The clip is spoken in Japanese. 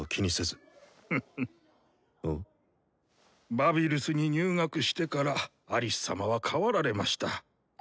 バビルスに入学してからアリス様は変わられました。